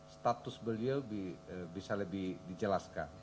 status beliau bisa lebih dijelaskan